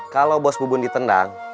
kalau bos bubun ditendang